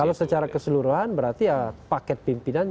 kalau secara keseluruhan berarti ya paket pimpinan